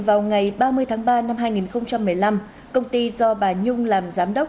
vào ngày ba mươi tháng ba năm hai nghìn một mươi năm công ty do bà nhung làm giám đốc